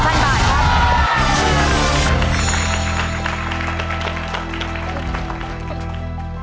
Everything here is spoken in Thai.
๕๐๐๐บาทครับ